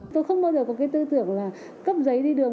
tôi không bao giờ có cái tư tưởng là cấp giấy đi đường